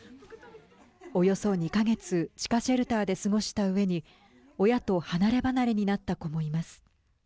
およそ２か月地下シェルターで過ごしたうえに親と離れ離れになった子もいます。